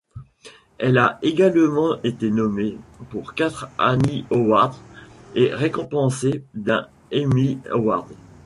Elle a également été nommée pour quatre Annie Awards et récompensée d'un Emmy Award.